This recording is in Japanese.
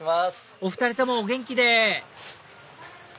お２人ともお元気で！